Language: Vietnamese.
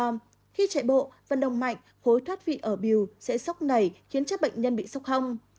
khi chạy bộ phần đồng mạnh khối thoát vị ở bìu sẽ sốc nảy khiến chắc bệnh nhân bị sốc hông